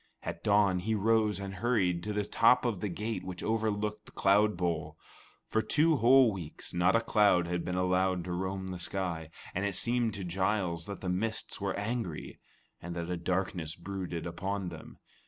At dawn he rose and hurried to the top of the gate which overlooked the cloud bowl. For two whole weeks, not a cloud had been allowed to roam the sky, and it seemed to Giles that the mists were angry, and that a darkness brooded upon them.